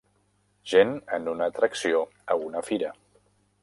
Gent en una atracció a una fira.